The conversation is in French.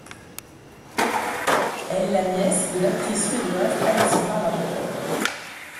Elle est la nièce de l'actrice suédoise Alexandra Rapaport.